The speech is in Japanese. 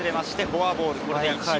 フォアボールです。